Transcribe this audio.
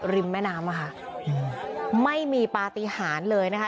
ริมแม่น้ำอะค่ะอืมไม่มีปฏิหารเลยนะคะ